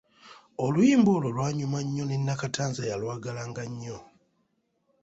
Oluyimba olwo lwanyuma nnyo ne Nakatanza yalwagalanga nnyo.